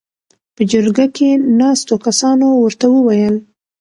.په جرګه کې ناستو کسانو ورته ووېل: